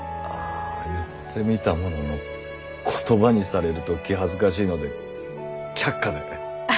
あ言ってみたものの言葉にされると気恥ずかしいので却下で。